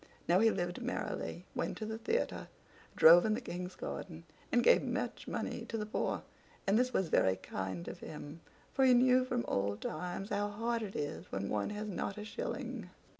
Now he lived merrily, went to the theater, drove in the King's garden, and gave much money to the poor; and this was very kind of him, for he knew from old times how hard it is when one has not a shilling.